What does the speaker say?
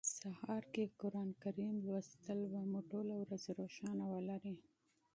سهار کی قران کریم لوستل به مو ټوله ورځ روښانه ولري